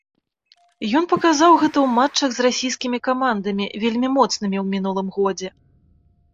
Ён паказаў гэта ў матчах з расійскімі камандамі, вельмі моцнымі ў мінулым годзе.